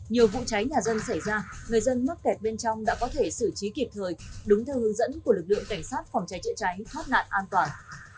nhiều vụ cháy nhà dân xảy ra người dân mắc kẹt bên trong đã có thể xử trí kịp thời đúng theo hướng dẫn của lực lượng cảnh sát phòng cháy chữa cháy thoát nạn an toàn